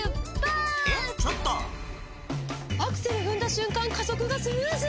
アクセル踏んだ瞬間加速がスムーズ！